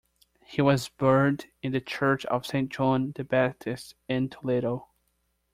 He was buried in the Church of Saint John the Baptist in Toledo.